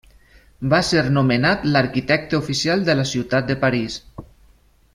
Va ser nomenat l'arquitecte oficial de la ciutat de París.